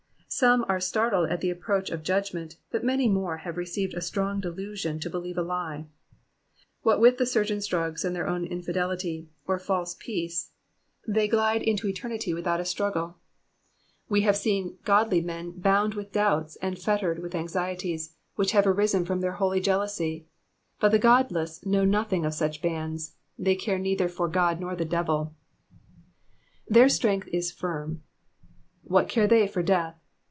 Some are startled at the approach of judgment, but many more have received a strong delusion to believe a lie. What with the surgeon's drugs and their own infidelity, or false peace, they glide into eternity without a struggle. We have seen godly men bound with doubts, and fettered with anxieties, which have aiisen from their holy jealousy ; but the godless know nothing of such bands : they care neither for God nor devil. ''Their strength is Jirm.''^ What care they for death?